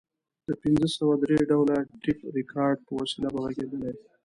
د پنځه سوه درې ډوله ټیپ ریکارډر په وسیله به غږېدلې.